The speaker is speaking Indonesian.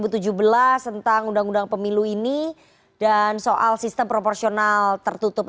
tentang undang undang pemilu ini dan soal sistem proporsional tertutup